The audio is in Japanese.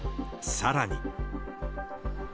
さらに。